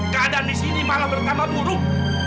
keadaan di sini malah bertambah buruk